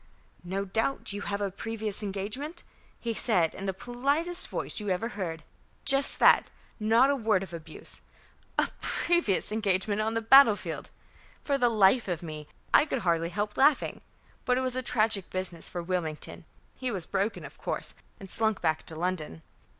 'No doubt you have a previous engagement,' he said, in the politest voice you ever heard just that, not a word of abuse. A previous engagement on the battlefield! For the life of me, I could hardly help laughing. But it was a tragic business for Wilmington. He was broken, of course, and slunk back to London.